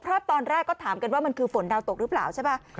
เพราะตอนแรกก็ถามกันว่ามันคือฝนดาวตกหรือเปล่าใช่ไหม